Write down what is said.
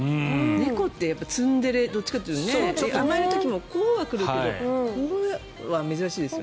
猫ってツンデレどっちかって甘える時もこうは来るけどこうは珍しいですよね。